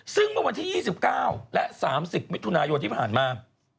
ซึ่งประมาณที่๒๙และ๓๐มิถุนายนที่ผ่านมา